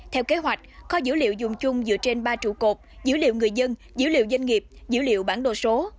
theo kế hoạch kho dữ liệu dùng chung dựa trên ba trụ cột dữ liệu người dân dữ liệu doanh nghiệp dữ liệu bản đồ số